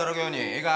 いいか？